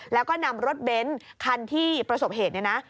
แล้วก็นำรถเบนท์คันที่ประสบเหตุเนี่ยนะ